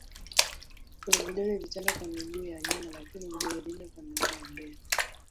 Kuna vidole vitano kwa miguu ya nyuma lakini vidole vinne kwa miguu ya mbele.